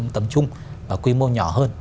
tầm trung và quy mô nhỏ hơn